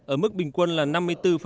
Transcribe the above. ở mức bình quân là năm mươi bốn ba